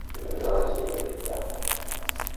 লজের নাম কী?